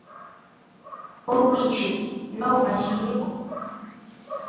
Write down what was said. O ghʉ yi shʉʼʉ, lə́u a jî yé po.